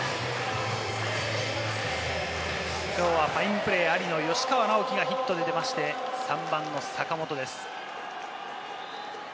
きょうはファインプレーありの吉川尚輝がヒットで出まして、３番の坂本です。